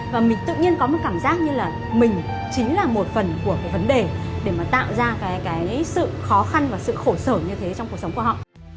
và mình tự nhiên có một cảm giác như là mình chính là một phần của cái vấn đề để mà tạo ra cái sự khó khăn và sự khổ sở như thế trong cuộc sống của họ